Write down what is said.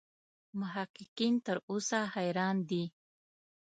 محققین تر اوسه حیران دي.